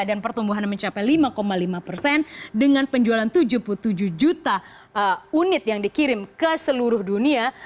dan pertumbuhan mencapai lima koma lima persen dengan penjualan tujuh puluh tujuh juta unit yang dikirim ke seluruh dunia